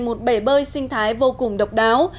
một bể bơi sinh thái vô cùng độc đáo